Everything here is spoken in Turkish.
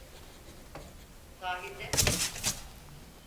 Sahilde…